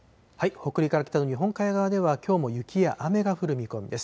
北陸から北の日本海側では、きょうも雪や雨が降る見込みです。